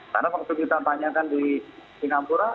karena kalau kita tanyakan di sinapura